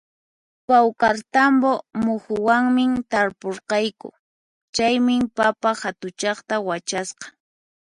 Pawkartambo muhuwanmi tarpurqayku, chaymi papa hatuchaqta wachasqa